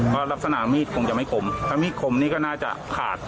เพราะลักษณะมีดคงจะไม่คมถ้ามีดคมนี่ก็น่าจะขาด